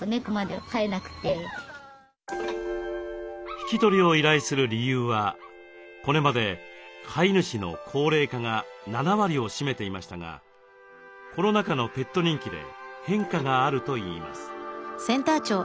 引き取りを依頼する理由はこれまで飼い主の高齢化が７割を占めていましたがコロナ禍のペット人気で変化があるといいます。